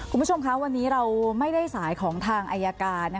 คุณผู้ชมคะวันนี้เราไม่ได้สายของทางอายการ